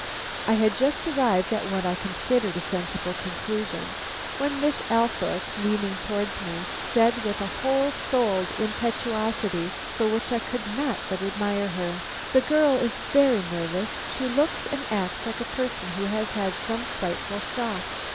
I had just arrived at what I considered a sensible conclusion, when Miss Althorpe, leaning towards me, said with a whole souled impetuosity for which I could not but admire her: "The girl is very nervous, she looks and acts like a person who has had some frightful shock.